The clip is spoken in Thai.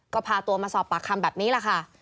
ก็พาตัวมาสอบปากคำแบบนี้แหละค่ะ